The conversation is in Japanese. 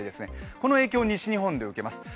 この影響、西日本で受けます。